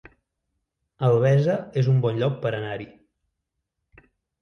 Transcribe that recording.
Albesa es un bon lloc per anar-hi